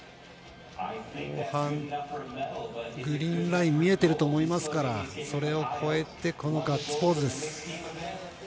後半、グリーンライン、見えてると思いますから、それを越えてこのガッツポーズです。